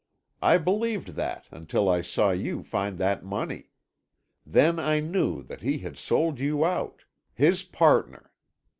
I believed that until I saw you find that money. Then I knew that he had sold you out—his partner.